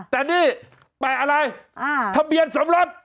ค่ะนี่แปะอะไรทะเบียนสำรับ